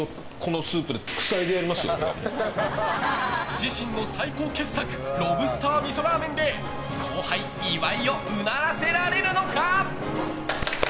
自身の最高傑作ロブスター味噌ラーメンで後輩・岩井をうならせられるのか。